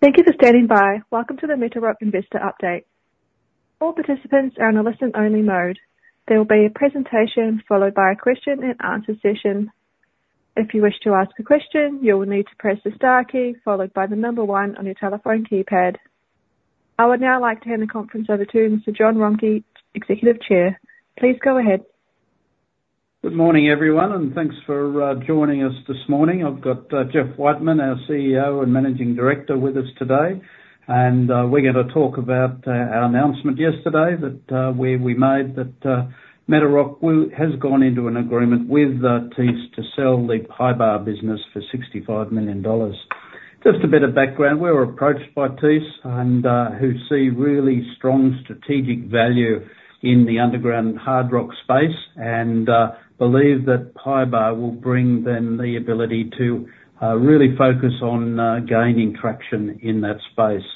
Thank you for standing by. Welcome to the Metarock investor update. All participants are in a listen-only mode. There will be a presentation followed by a question-and-answer session. If you wish to ask a question, you will need to press the star key followed by the number 1 on your telephone keypad. I would now like to hand the conference over to Mr. Jon Romcke, Executive Chair. Please go ahead. Good morning, everyone, and thanks for joining us this morning. I've got Jeff Whiteman, our CEO and Managing Director, with us today, and we're going to talk about our announcement yesterday that we made that Metarock has gone into an agreement with Thiess to sell the PYBAR business for 65 million dollars. Just a bit of background: we were approached by Thiess, who see really strong strategic value in the underground hard rock space and believe that PYBAR will bring them the ability to really focus on gaining traction in that space.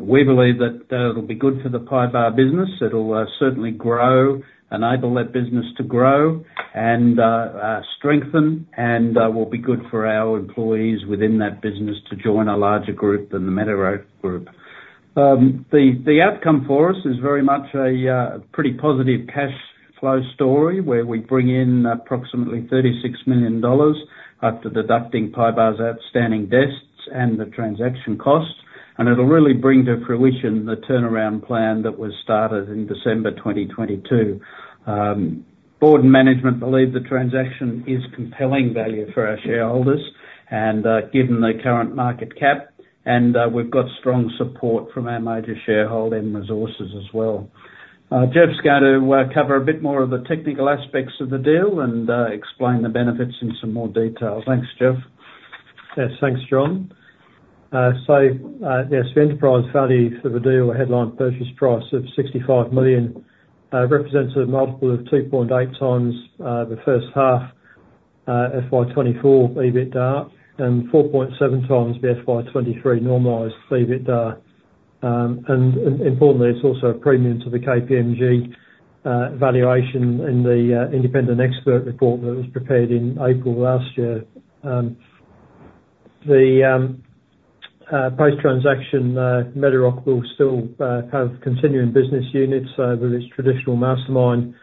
We believe that it'll be good for the PYBAR business. It'll certainly grow, enable that business to grow, and strengthen, and will be good for our employees within that business to join a larger group than the Metarock Group. The outcome for us is very much a pretty positive cash flow story where we bring in approximately 36 million dollars after deducting PYBAR outstanding debts and the transaction costs, and it'll really bring to fruition the turnaround plan that was started in December 2022. Board and management believe the transaction is compelling value for our shareholders given the current market cap, and we've got strong support from our major shareholder M Resources as well. Jeff's going to cover a bit more of the technical aspects of the deal and explain the benefits in some more detail. Thanks, Jeff. Yes, thanks, John. So yes, the enterprise value for the deal, the headline purchase price of 65 million, represents a multiple of 2.8 times the first half FY2024 EBITDA and 4.7 times the FY2023 normalized EBITDA. And importantly, it's also a premium to the KPMG valuation in the independent expert report that was prepared in April last year. The post-transaction Metarock will still have continuing business units with its traditional Mastermyne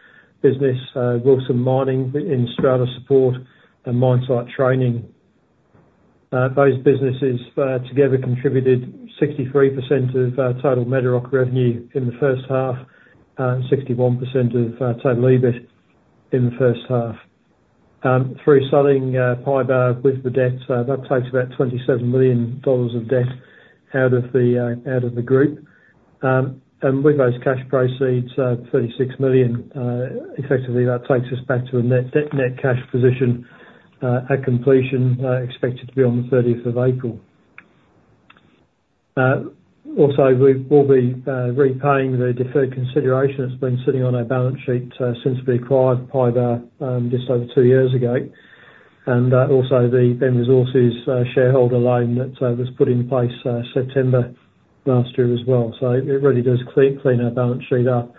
business, Wilson Mining, in strata support and MyneS training. Those businesses together contributed 63% of total Metarock revenue in the first half and 61% of total EBIT in the first half. Through selling PYBAR with the debt, that takes about 27 million dollars of debt out of the group. And with those cash proceeds, 36 million, effectively that takes us back to a net cash position at completion expected to be on the 30th of April. Also, we will be repaying the deferred consideration that's been sitting on our balance sheet since we acquired PYBAR just over two years ago, and also the M Resources shareholder loan that was put in place September last year as well. So it really does clean our balance sheet up.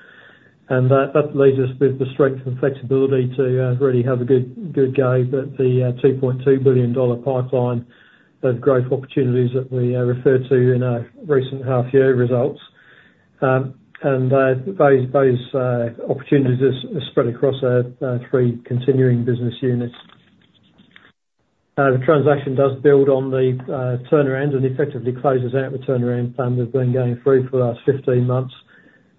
And that leaves us with the strength and flexibility to really have a good go, but the 2.2 billion dollar pipeline of growth opportunities that we referred to in our recent half-year results. And those opportunities are spread across our three continuing business units. The transaction does build on the turnaround and effectively closes out the turnaround plan we've been going through for the last 15 months.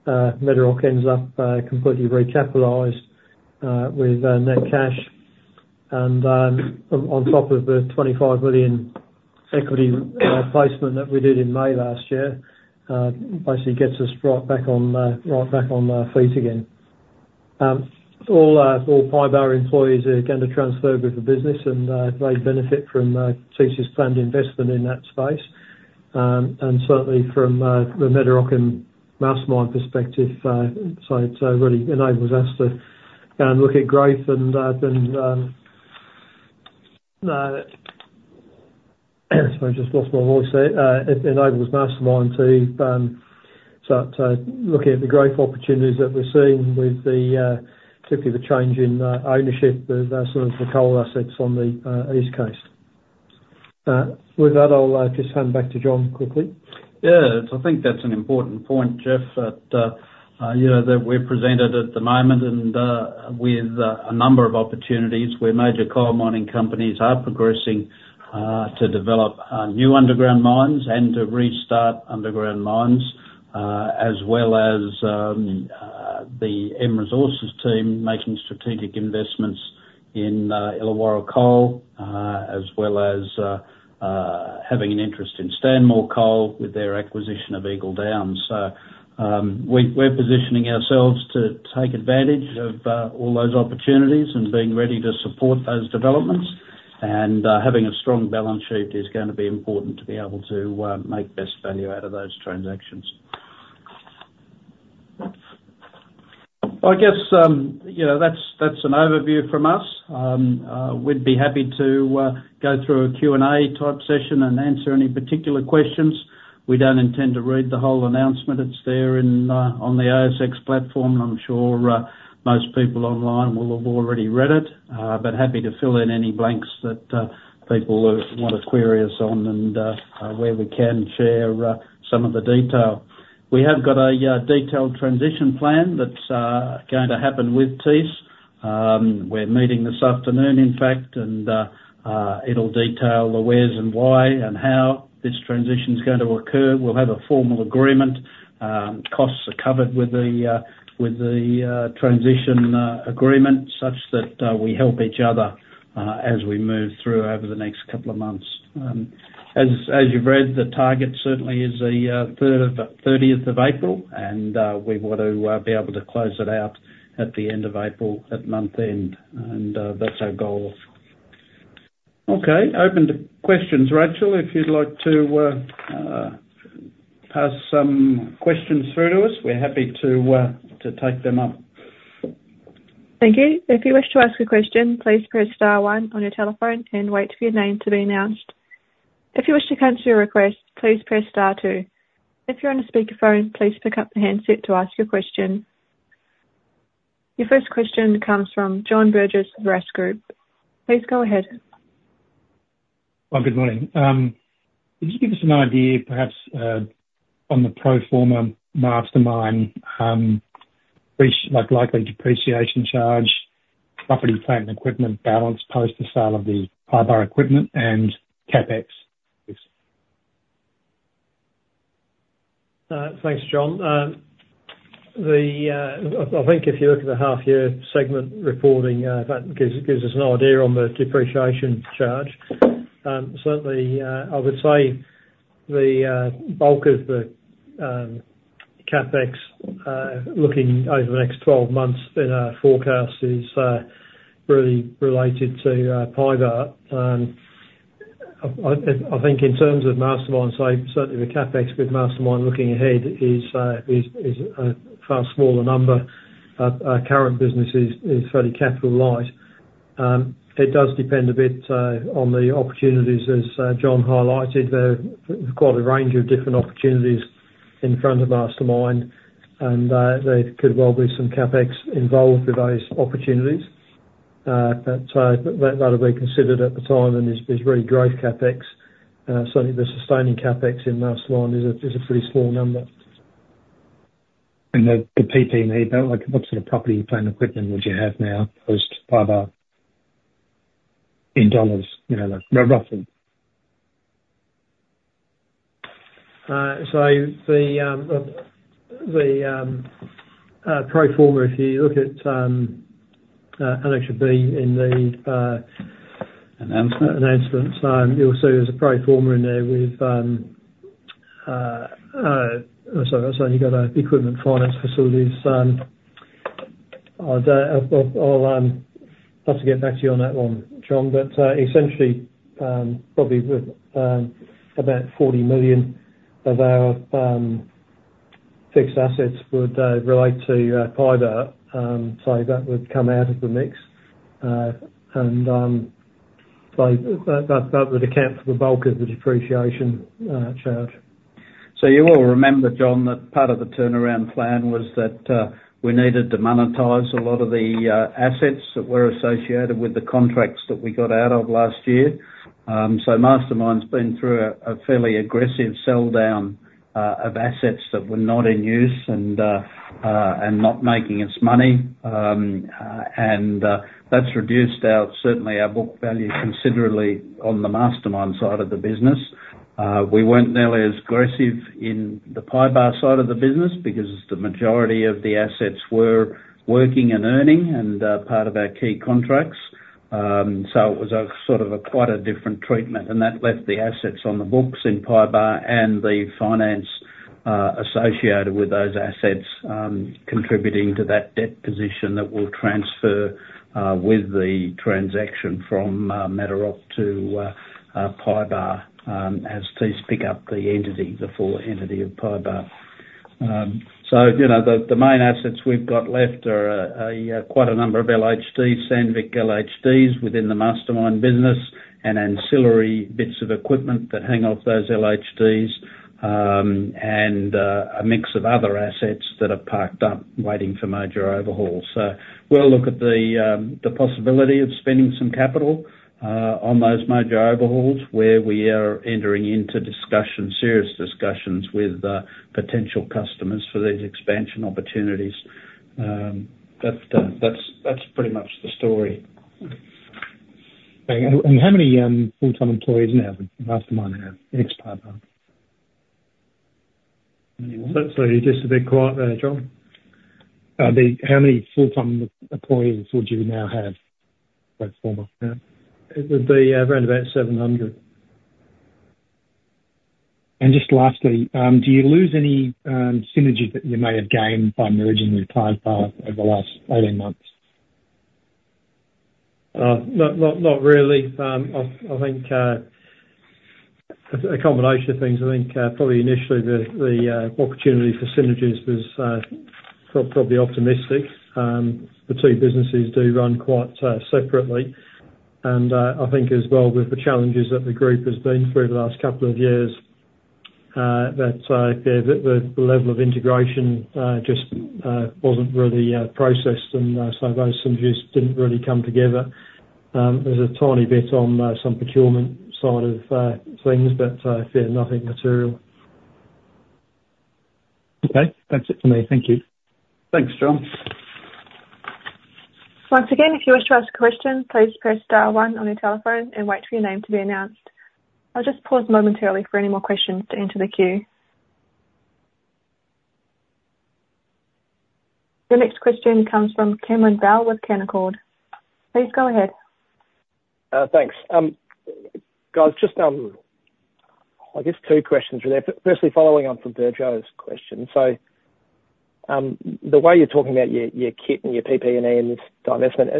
Metarock ends up completely recapitalised with net cash, and on top of the 25 million equity placement that we did in May last year, basically gets us right back on our feet again. All PYBAR employees are going to transfer with the business, and they benefit from Thiess' planned investment in that space. And certainly from the Metarock and Mastermyne perspective, so it really enables us to look at growth and sorry, I just lost my voice there. It enables Mastermyne to look at the growth opportunities that we're seeing with typically the change in ownership of some of the coal assets on the East Coast. With that, I'll just hand back to Jon quickly. Yeah, I think that's an important point, Jeff, that we're presented at the moment with a number of opportunities where major coal mining companies are progressing to develop new underground mines and to restart underground mines, as well as the M Resources team making strategic investments in Illawarra coal, as well as having an interest in Stanmore coal with their acquisition of Eagle Downs. So we're positioning ourselves to take advantage of all those opportunities and being ready to support those developments. And having a strong balance sheet is going to be important to be able to make best value out of those transactions. I guess that's an overview from us. We'd be happy to go through a Q&A type session and answer any particular questions. We don't intend to read the whole announcement. It's there on the ASX platform, and I'm sure most people online will have already read it, but happy to fill in any blanks that people want to query us on and where we can share some of the detail. We have got a detailed transition plan that's going to happen with Thiess. We're meeting this afternoon, in fact, and it'll detail the wheres and why and how this transition's going to occur. We'll have a formal agreement. Costs are covered with the transition agreement such that we help each other as we move through over the next couple of months. As you've read, the target certainly is the 30th of April, and we want to be able to close it out at the end of April at month end. And that's our goal. Okay, open to questions. Rachael, if you'd like to pass some questions through to us, we're happy to take them up. Thank you. If you wish to ask a question, please press star 1 on your telephone and wait for your name to be announced. If you wish to cancel your request, please press star 2. If you're on a speakerphone, please pick up the handset to ask your question. Your first question comes from John Burgess, RAAS Group. Please go ahead. Well, good morning. Could you give us an idea, perhaps, on the pro forma Mastermyne likely depreciation charge, property, plant and equipment balance post the sale of the PYBAR equipment, and CapEx? Thanks, John. I think if you look at the half-year segment reporting, that gives us an idea on the depreciation charge. Certainly, I would say the bulk of the CapEx looking over the next 12 months in our forecast is really related to PYBAR. I think in terms of Mastermyne, certainly the CapEx with Mastermyne looking ahead is a far smaller number. Our current business is fairly capital light. It does depend a bit on the opportunities. As Jon highlighted, there are quite a range of different opportunities in front of Mastermyne, and there could well be some CapEx involved with those opportunities. But that'll be considered at the time and is really growth CapEx. Certainly, the sustaining CapEx in Mastermyne is a pretty small number. The PPE, what sort of property plant equipment would you have now post PYBAR in dollars, roughly? So the pro forma, if you look at Annex B in the. Announcement. Announcement, you'll see there's a pro forma in there with. I'm sorry, I've seen you've got equipment finance facilities. I'll have to get back to you on that one, John. But essentially, probably about 40 million of our fixed assets would relate to PYBAR. So that would come out of the mix. And that would account for the bulk of the depreciation charge. So you will remember, John, that part of the turnaround plan was that we needed to monetize a lot of the assets that were associated with the contracts that we got out of last year. So Mastermyne's been through a fairly aggressive sell-down of assets that were not in use and not making us money. And that's reduced out, certainly, our book value considerably on the Mastermyne side of the business. We weren't nearly as aggressive in the PYBAR side of the business because the majority of the assets were working and earning and part of our key contracts. So it was sort of quite a different treatment, and that left the assets on the books in PYBAR and the finance associated with those assets contributing to that debt position that will transfer with the transaction from Metarock to PYBAR as Thiess picks up the entity, the full entity of PYBAR. So the main assets we've got left are quite a number of LHDs, Sandvik LHDs within the Mastermyne business, and ancillary bits of equipment that hang off those LHDs, and a mix of other assets that are parked up waiting for major overhauls. So we'll look at the possibility of spending some capital on those major overhauls where we are entering into discussions, serious discussions with potential customers for these expansion opportunities. But that's pretty much the story. How many full-time employees now does Mastermyne have in its PYBAR? How many? Sorry, you're just a bit quiet there, John. How many full-time employees would you now have pro forma? It would be around about 700. Just lastly, do you lose any synergy that you may have gained by merging with PYBAR over the last 18 months? Not really. I think a combination of things. I think probably initially, the opportunity for synergies was probably optimistic. The two businesses do run quite separately. And I think as well, with the challenges that the group has been through the last couple of years, that the level of integration just wasn't really processed, and so those synergies didn't really come together. There's a tiny bit on some procurement side of things, but nothing material. Okay, that's it for me. Thank you. Thanks, John. Once again, if you wish to ask a question, please press star one on your telephone and wait for your name to be announced. I'll just pause momentarily for any more questions to enter the queue. The next question comes from Cameron Bell with Canaccord. Please go ahead. Thanks. Guys, just, I guess, two questions for there. Firstly, following on from Virjo's question. So the way you're talking about your kit and your PP&E and this investment,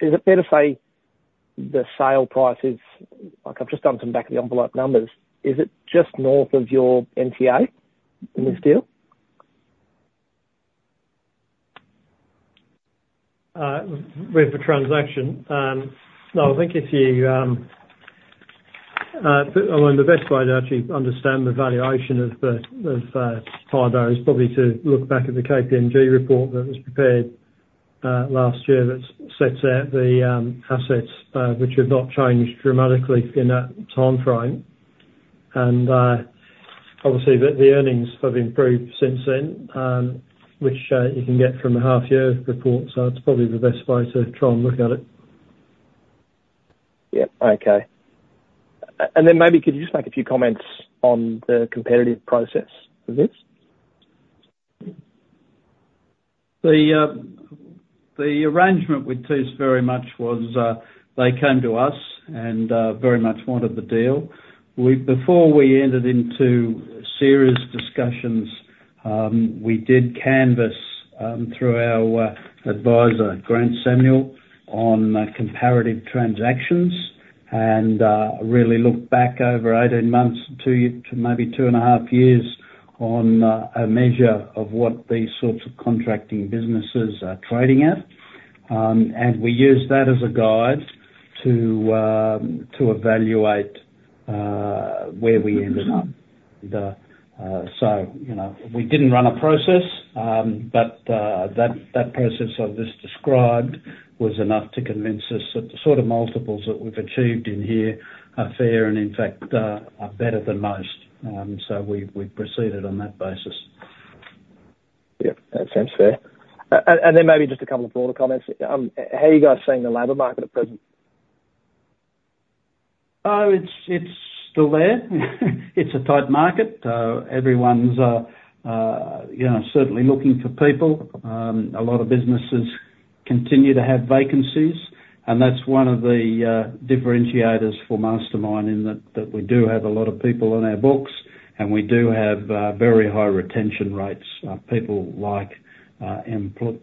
is it better to say the sale prices? I've just done some back-of-the-envelope numbers. Is it just north of your NTA in this deal? With the transaction, no, I think if you I mean, the best way to actually understand the valuation of PYBAR is probably to look back at the KPMG report that was prepared last year that sets out the assets, which have not changed dramatically in that timeframe. And obviously, the earnings have improved since then, which you can get from a half-year report. So it's probably the best way to try and look at it. Yeah, okay. And then maybe could you just make a few comments on the competitive process of this? The arrangement with Thiess very much was they came to us and very much wanted the deal. Before we entered into serious discussions, we did canvas through our advisor, Grant Samuel, on comparative transactions and really looked back over 18 months to maybe 2.5 years on a measure of what these sorts of contracting businesses are trading at. And we used that as a guide to evaluate where we ended up. So we didn't run a process, but that process I've just described was enough to convince us that the sort of multiples that we've achieved in here are fair and, in fact, are better than most. So we proceeded on that basis. Yeah, that sounds fair. And then maybe just a couple of broader comments. How are you guys seeing the labor market at present? Oh, it's still there. It's a tight market. Everyone's certainly looking for people. A lot of businesses continue to have vacancies, and that's one of the differentiators for Mastermyne in that we do have a lot of people on our books, and we do have very high retention rates, people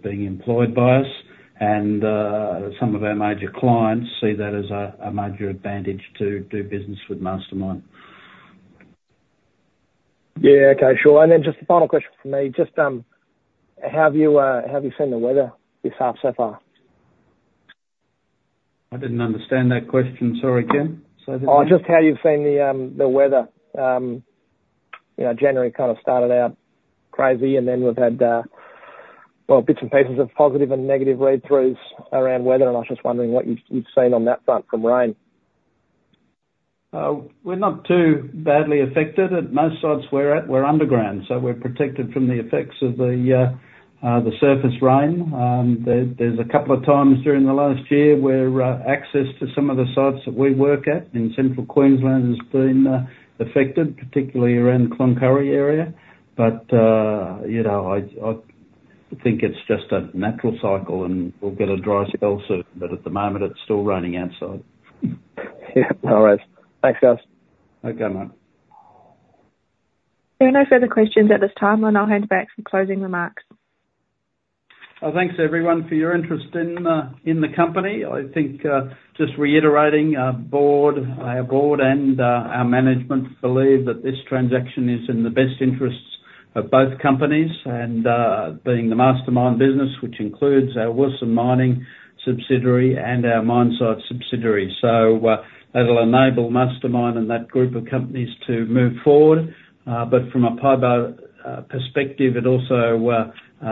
being employed by us. Some of our major clients see that as a major advantage to do business with Mastermyne. Yeah, okay, sure. Then just the final question from me. Just how have you seen the weather this half so far? I didn't understand that question. Sorry again. Oh, just how you've seen the weather. January kind of started out crazy, and then we've had, well, bits and pieces of positive and negative read-throughs around weather. And I was just wondering what you've seen on that front from rain. We're not too badly affected at most sites we're at. We're underground, so we're protected from the effects of the surface rain. There's a couple of times during the last year where access to some of the sites that we work at in central Queensland has been affected, particularly around the Cloncurry area. But I think it's just a natural cycle, and we'll get a dry spell soon. But at the moment, it's still raining outside. Yeah, all right. Thanks, guys. Okay, mate. There are no further questions at this time, and I'll hand back for closing remarks. Thanks, everyone, for your interest in the company. I think just reiterating, our board and our management believe that this transaction is in the best interests of both companies and being the Mastermyne business, which includes our Wilson Mining subsidiary and our MyneSight subsidiary. So that'll enable Mastermyne and that group of companies to move forward. But from a PYBAR perspective, it also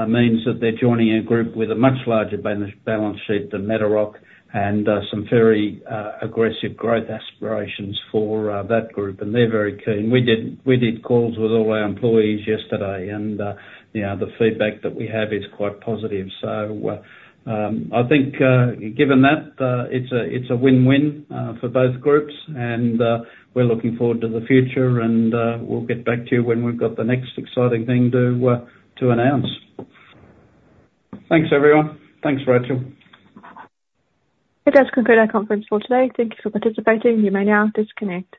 means that they're joining a group with a much larger balance sheet than Metarock and some very aggressive growth aspirations for that group. And they're very keen. We did calls with all our employees yesterday, and the feedback that we have is quite positive. So I think given that, it's a win-win for both groups, and we're looking forward to the future. And we'll get back to you when we've got the next exciting thing to announce. Thanks, everyone. Thanks, Rachael. It does conclude our conference for today. Thank you for participating. You may now disconnect.